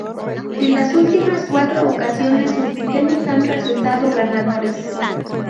En las últimas cuatro ocasiones sus diseños han resultado ganadores.